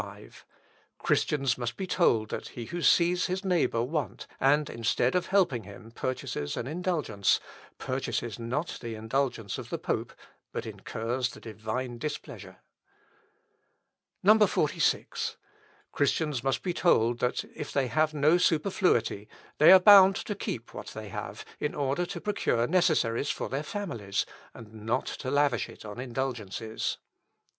"Christians must be told that he who sees his neighbour want, and, instead of helping him, purchases an indulgence, purchases not the indulgence of the pope, but incurs the Divine displeasure. 46. "Christians must be told that if they have no superfluity, they are bound to keep what they have, in order to procure necessaries for their families, and not to lavish it on indulgences.